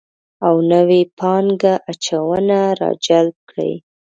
او نوې پانګه اچونه راجلب کړي